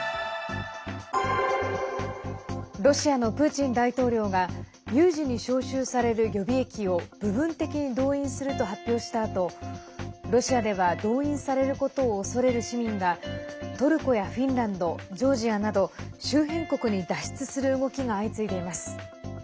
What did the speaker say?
ロシアのプーチン大統領が有事に召集される予備役を部分的に動員すると発表したあとロシアでは動員されることをおそれる市民がトルコやフィンランドジョージアなど周辺国に脱出する動きが相次いでいます。